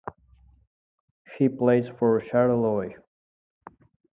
He plays for Charleroi.